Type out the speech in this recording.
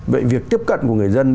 vậy việc tiếp cận của người dân